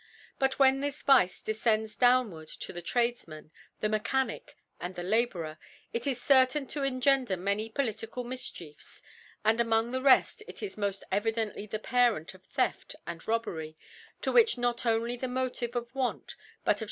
But when this Vice defcends downward to the Tradefman, the Mechanic, and the La bourer, it is certain to engender many poli B 4 ticiil ( 8 ) lical Mtfcbiefs^ and, among the reft, k ts moft evidently the Parent of Theft and Robbery, to which lqz only the Motive of Want but of